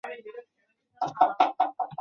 长触潮蛛为盗蛛科潮蛛属的动物。